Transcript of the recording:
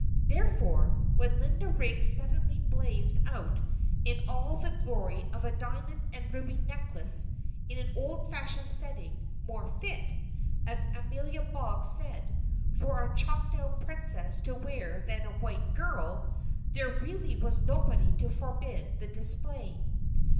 Therefore, when Linda Riggs suddenly blazed out in all the glory of a diamond and ruby necklace in an old fashioned setting "more fit," as Amelia Boggs said, "for a Choctaw princess to wear than a white girl!" there really was nobody to forbid the display.